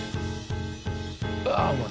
うわうま